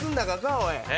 おい。